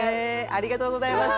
ありがとうございます。